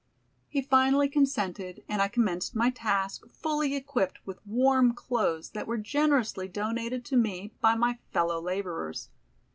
He finally consented, and I commenced my task, fully equipped with warm clothes that were generously donated to me by my fellow laborers.